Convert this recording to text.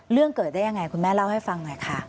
เรื่องเกิดได้ยังไงคุณแม่เล่าให้ฟังหน่อยค่ะ